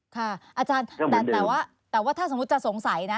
ค่ะอาจารย์แต่ว่าถ้าสมมุติจะสงสัยนะ